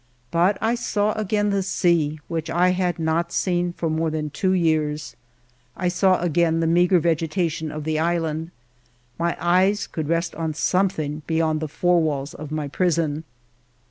But I saw again the sea, which I had not seen for more than two years ; I saw again the meagre vegetation of the island. My eyes could rest on something beyond the four walls of my prison.